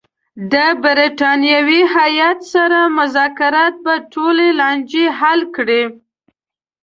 د برټانوي هیات سره مذاکرات به ټولې لانجې حل کړي.